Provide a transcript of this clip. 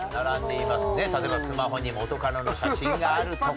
例えばスマホに元カノの写真があるとか。